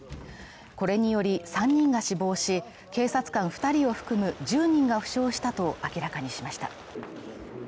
これにより、３人が死亡し、警察官２人を含む１０人が負傷したと明らかにしました。